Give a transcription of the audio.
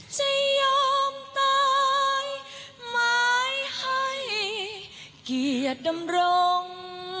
จะยอมตายไม้ให้เกียรติดำรง